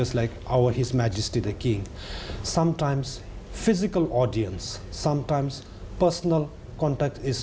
เวลาที่เรามีผู้หญิงแห่งพระเจ้าหรือพระเจ้าของพระเจ้า